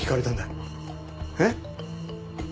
えっ？